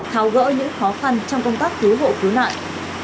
tháo gỡ những khó khăn trong công tác cứu hộ cứu nạn